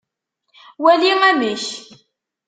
Wali amek.